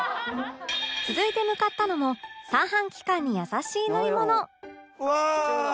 続いて向かったのも三半規管に優しい乗り物うわー！